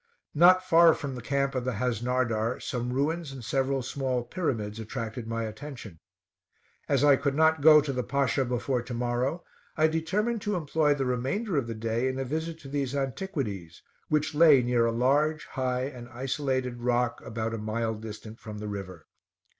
Not far from the camp of the Hasnardar, some ruins and several small pyramids attracted my attention. As I could not go to the Pasha before to morrow, I determined to employ the remainder of the day in a visit to these antiquities, which lay near a large high and isolated rock, about a mile distant from the river.